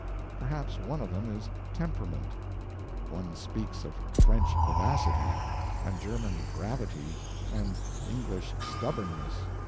Perhaps one of them is temperament. One speaks of French vivacity and German gravity and English stubbornness.